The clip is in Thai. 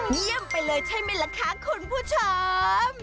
เยี่ยมไปเลยใช่ไหมล่ะคะคุณผู้ชม